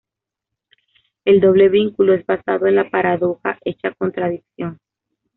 El doble vínculo es basado en la paradoja hecha contradicción.